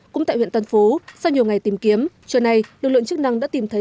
cũng tại huyện tân phú sau nhiều ngày tìm kiếm trưa nay lực lượng chức năng đã tìm thấy